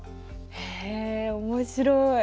へえ面白い。